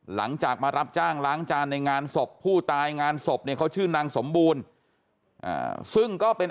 หลังจากมารับจ้างล้างจานในงานศพผู้ตายงานศพเนี่ยเขาชื่อนางสมบูรณ์ซึ่งก็เป็น